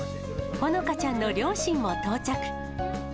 ほのかちゃんの両親も到着。